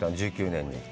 １９年に。